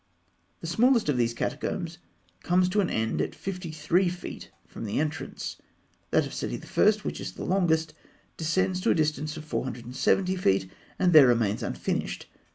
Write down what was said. The smallest of these catacombs comes to an end at fifty three feet from the entrance; that of Seti I., which is the longest, descends to a distance of 470 feet, and there remains unfinished.